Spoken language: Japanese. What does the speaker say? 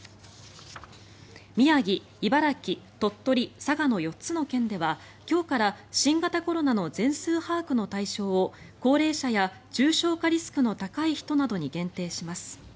宮城、茨城、鳥取、佐賀の４つの県では今日から新型コロナの全数把握の対象を高齢者や重症化リスクの高い人などに限定します。